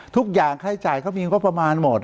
ทุกอย่างค่ายจ่ายเขามีก็ประมาณหมด